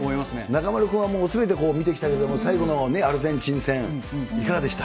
中丸君はすべて見てきたけれども、最後のアルゼンチン戦、いかがでした？